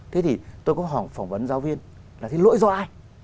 thế thì tôi có hỏi phỏng vấn giáo viên là cái lỗi do ai